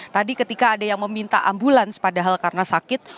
tadi ketika ada yang meminta ambulans padahal karena sakit